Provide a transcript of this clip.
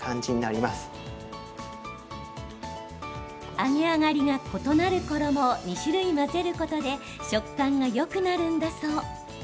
揚げ上がりが異なる衣を２種類混ぜることで食感がよくなるんだそう。